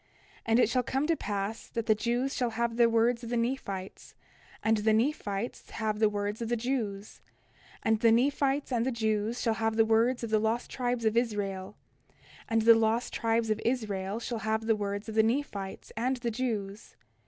29:13 And it shall come to pass that the Jews shall have the words of the Nephites, and the Nephites shall have the words of the Jews; and the Nephites and the Jews shall have the words of the lost tribes of Israel; and the lost tribes of Israel shall have the words of the Nephites and the Jews.